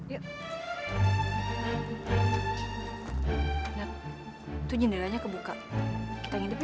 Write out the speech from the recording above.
itu jendelanya kebuka kita ngidip yuk